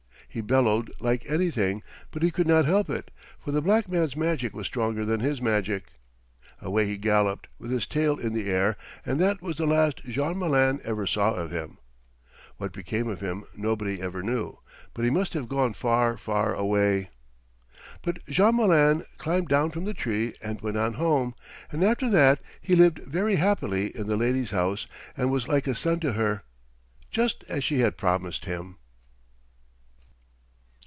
He bellowed like anything, but he could not help it, for the black man's magic was stronger than his magic. Away he galloped, with his tail in the air, and that was the last Jean Malin ever saw of him. What became of him nobody ever knew, but he must have gone far, far away. But Jean Malin climbed down from the tree and went on home, and after that he lived very happily in the lady's house and was like a son to her, just as she had promised him.